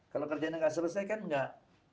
kalau kerjaannya nggak selesai kan nggak